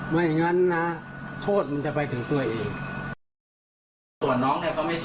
ไม่งั้นนะโทษมันจะไปถึงตัวเอง